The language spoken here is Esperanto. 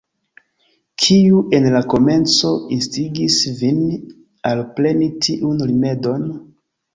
Kiu, en la komenco, instigis vin alpreni tiun rimedon?